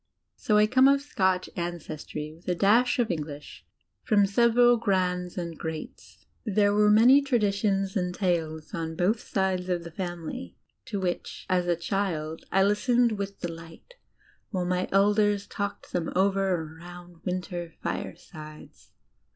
So I come of Scotch ancestry, with a dash of EngHsh from several "grands" and "greats." There were many traditions and tales on both sides of the family, to which, as a child, I listened with delight white my elders talked them over around winter firesides.